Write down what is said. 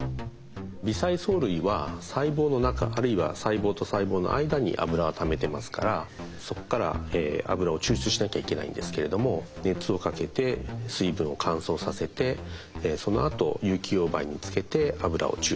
微細藻類は細胞の中あるいは細胞と細胞の間にアブラをためてますからそこからアブラを抽出しなきゃいけないんですけれども熱をかけて水分を乾燥させてそのあと有機溶媒につけてアブラを抽出します。